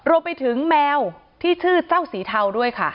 รวมไปถึงแมวที่ชื่อเจ้าสีเทาด้วยค่ะ